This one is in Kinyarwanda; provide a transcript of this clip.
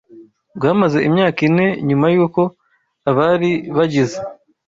rwamaze imyaka ine nyuma y’uko abari bagize